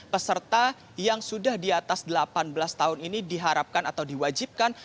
peserta yang sudah di atas delapan belas tahun ini diharapkan atau diwajibkan